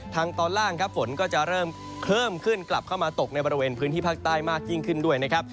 ตอนล่างครับฝนก็จะเริ่มเพิ่มขึ้นกลับเข้ามาตกในบริเวณพื้นที่ภาคใต้มากยิ่งขึ้นด้วยนะครับ